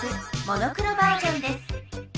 モノクロバージョンです。